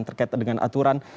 terkait dengan aturan